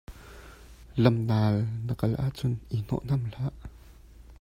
Lam naal na kal ahcun i hnawnam hlah.